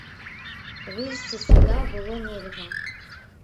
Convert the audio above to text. Выйсці з суда было нельга.